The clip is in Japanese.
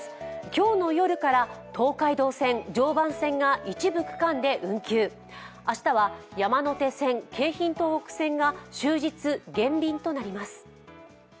今日の夜から東海道線・常磐線が一部区間で運休、明日は、山手線・京浜東北線が終日減便となります。